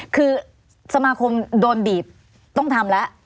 คือสมาคมโดนบีบต้องทำแล้ว